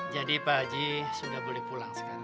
jadi pak haji sudah boleh pulang sekarang